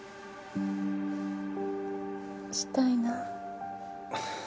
したいな。